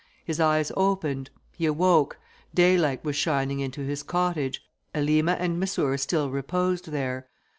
His eyes opened; he awoke; daylight was shining into his cottage; Elima and Missour still reposed there.